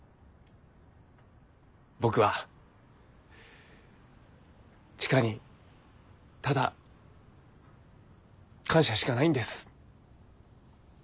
僕は千佳にただ感謝しかないんです。